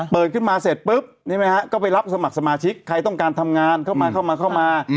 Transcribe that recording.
เปิดขึ้นมาเสร็จปุ๊บเพราะรับสมัครสมาชิกใครต้องการทำงานเข้ามา